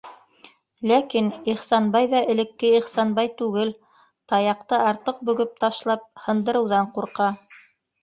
Ләкин Ихсанбай ҙа элекке Ихсанбай түгел, таяҡты артыҡ бөгөп ташлап һындырыуҙан ҡурҡа...